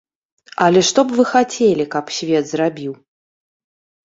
Але што б вы хацелі, каб свет зрабіў?